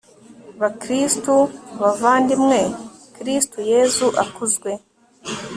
bakristu, bavandimwe, kristu yezu akuzwe